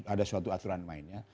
ada suatu aturan mainnya